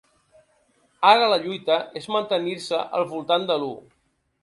Ara la lluita és mantenir-se al voltant de l’u.